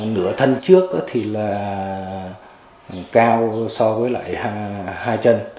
nửa thân trước thì là cao so với lại hai chân